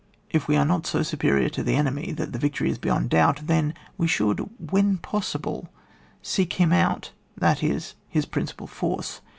If we are not so superior to the enemy that the victory is beyond doubt, then we should, when possible, seek him out, that is his principal force.